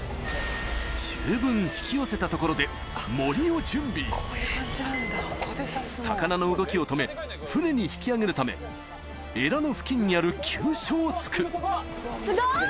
十分引き寄せたところでモリを準備魚の動きを止め船に引き上げるためエラの付近にある急所を突くすごい！